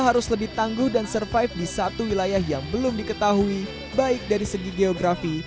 harus lebih tangguh dan survive di satu wilayah yang belum diketahui baik dari segi geografi